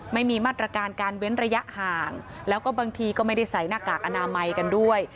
ไม่มีมาตรการการเว้นระยะห่างแล้วก็บางทีก็ไม่ได้ใส่หน้ากากอนามัยกันด้วย